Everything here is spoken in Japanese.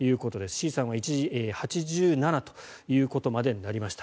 Ｃさんは一時８７ということまでなりました。